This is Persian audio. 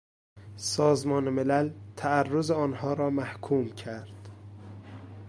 سازمان ملل تعرض آنها را محکوم کرد.